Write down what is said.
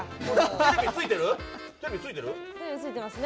テレビついてる？